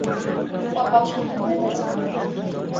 সব বাক্স উধাও হয়ে গেছে?